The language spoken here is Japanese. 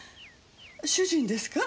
主人ですか？